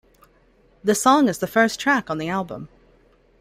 The song is the first track on the album.